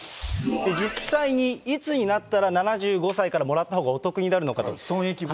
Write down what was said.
実際にいつになったら７５歳からもらったほうがお得になるのか。